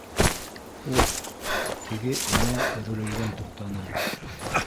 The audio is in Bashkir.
Уф, теге энә өрөлөүҙән туҡтаны.